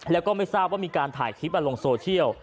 แล้วก็ไม่ทราบว่ามีการถ่ายคลิปลงโซเชียล